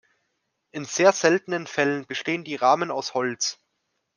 In sehr seltenen Fällen bestehen die Rahmen aus Holz.